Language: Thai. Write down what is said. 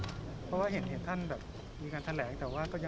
เพราะว่าเห็นท่านแบบ